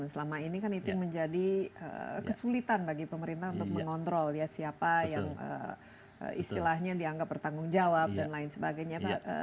selama ini kan itu menjadi kesulitan bagi pemerintah untuk mengontrol ya siapa yang istilahnya dianggap bertanggung jawab dan lain sebagainya